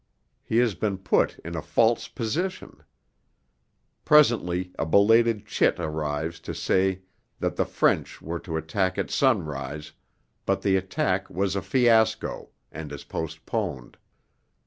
He has been put in a false position. Presently a belated chit arrives to say that the French were to attack at sunrise, but the attack was a fiasco, and is postponed.